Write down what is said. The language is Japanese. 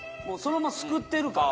もうそのまますくってる。